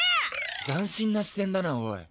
斬新な視点だなオイ。